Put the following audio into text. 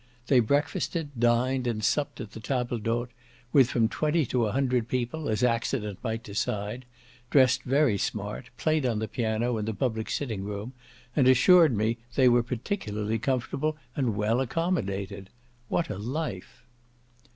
They breakfasted, dined, and supped at the table d'hôte, with from twenty to a hundred people, as accident might decide; dressed very smart, played on the piano, in the public sitting room, and assured me they were particularly comfortable and well accommodated. What a life!